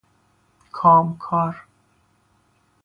کام کار